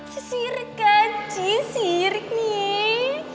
si sirik kan ci sirik nih